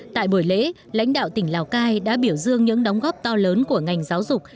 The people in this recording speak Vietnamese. tại buổi lễ lãnh đạo tỉnh lào cai đã biểu dương những đóng góp to lớn của ngành giáo dục